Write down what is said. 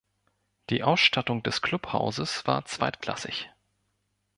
Die Ausstattung des Klubhauses war zweitklassig.